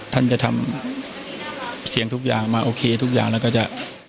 ท่านจะทำเสียงทุกอย่างมาโอเคทุกอย่างแล้วก็จะ